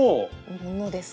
ものですか？